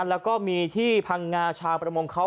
แล้วก็มีที่พังงาชาวประมงเขา